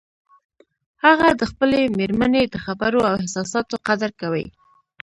هغه د خپلې مېرمنې د خبرو او احساساتو قدر کوي